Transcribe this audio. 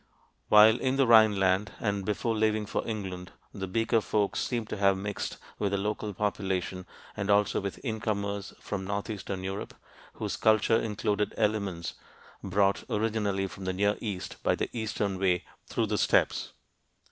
While in the Rhineland, and before leaving for England, the Beaker folk seem to have mixed with the local population and also with incomers from northeastern Europe whose culture included elements brought originally from the Near East by the eastern way through the steppes.